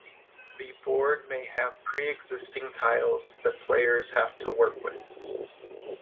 The board may have pre-existing tiles that players have to work with.